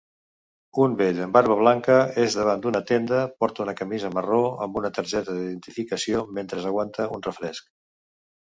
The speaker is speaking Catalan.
Un vell amb barba blanca és davant d'una tenda porta una camisa marró amb una targeta de identificació mentre aguanta un refresc